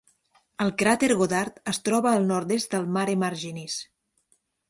El cràter Goddard es troba al nord-est del Mare Marginis.